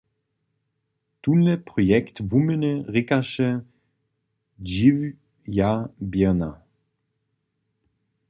Tónle projekt wuměny rěkaše "dźiwja běrna".